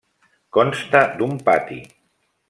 Consta d'un pati.